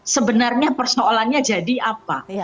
sebenarnya persoalannya jadi apa